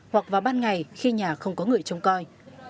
hoặc vào ban ngày khi nhà không có người trông coi